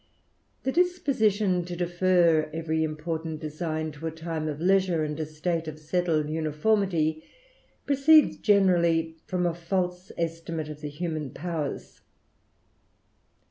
The disposition to defer every important design to a time of leisure, and a state of settled uniformity, proceeds generally from a false estimate of the human powers.